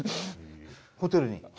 ホテルに？